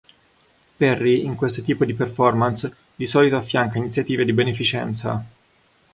Perry in questo tipo di performance di solito affianca iniziative di beneficenza.